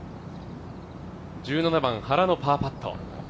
１７番、原のパーパット。